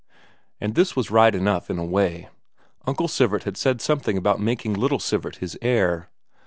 And this was right enough in a way; Uncle Sivert had said something about making little Sivert his heir.